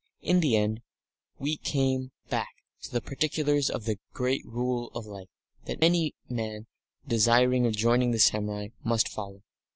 In the end we came back to the particulars of this great Rule of Life that any man desiring of joining the samurai must follow.